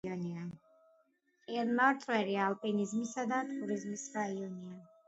მყინვარწვერი ალპინიზმისა და ტურიზმის რაიონია.